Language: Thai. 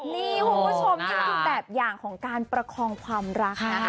มีคุณผู้ชมที่เป็นแบบอย่างสีการประคองความรัก